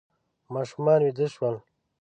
ماشومان ویده شول.